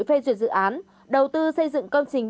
phê duyệt dự án đầu tư xây dựng công trình